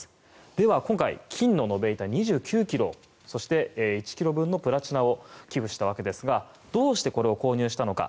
では、今回金の延べ板２９ｋｇそして１ｋｇ分のプラチナを寄付したわけですがどうしてこれを購入したのか。